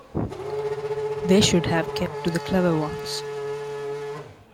They should have kept to the clever ones.